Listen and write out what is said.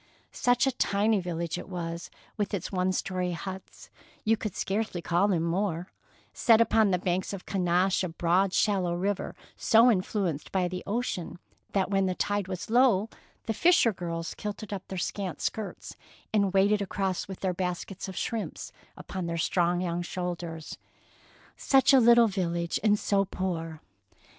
Such a tiny village it was, with its one story huts, — you could scarcely call them more, — set upon the banks of the Canache, a broad shallow river so influenced by the ocean that when the tide was low the fisher girls kilted up their scant skirts and waded 136 THE PEAKL NECKLACE across with their baskets of shrimps upon their strong young shoulders. Such a little village, and so poor!